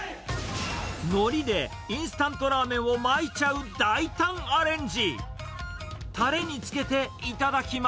のりでインスタントラーメンを巻いちゃう大胆アレンジ。